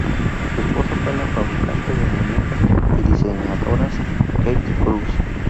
Su esposa fue la fabricante de muñecas y diseñadora Käthe Kruse.